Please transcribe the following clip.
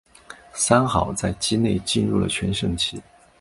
三好在畿内进入了全盛期。